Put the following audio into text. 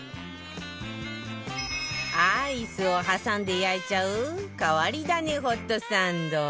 アイスを挟んで焼いちゃう変わり種ホットサンド